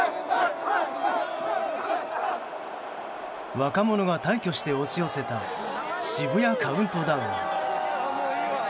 若者が大挙して押し寄せた渋谷カウントダウン。